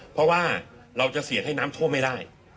เพราะว่าเราจะเสี่ยงให้น้ำท่วมไม่ได้